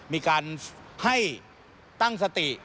มีการให้ตั้งสติ